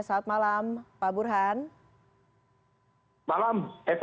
selamat malam pak burhan